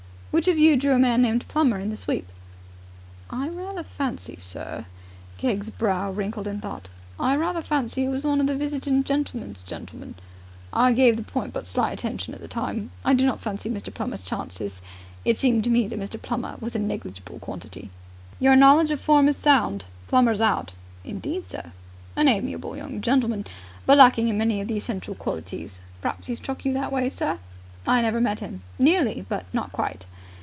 "Which of you drew a man named Plummer in the sweep?" "I rather fancy, sir," Keggs' brow wrinkled in thought, "I rather fancy it was one of the visiting gentlemen's gentlemen. I gave the point but slight attention at the time. I did not fancy Mr. Plummer's chances. It seemed to me that Mr. Plummer was a negligible quantity." "Your knowledge of form was sound. Plummer's out!" "Indeed, sir! An amiable young gentleman, but lacking in many of the essential qualities. Perhaps he struck you that way, sir?" "I never met him. Nearly, but not quite!"